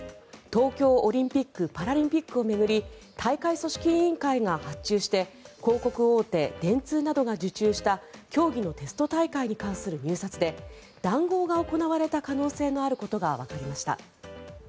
東京オリンピック・パラリンピックを巡り大会組織委員会が発注して広告大手、電通などが受注した競技のテスト大会に関する入札で談合が行われた可能性のあることがわかりました。